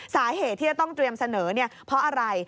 สาเหตุที่จะต้องเตรียมเสนอเพราะอะไร